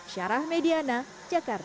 syarah mediana jakarta